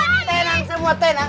sini itu bantuin